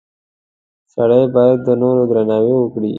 • سړی باید د نورو درناوی وکړي.